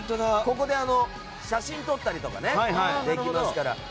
ここで写真撮ったりできますから。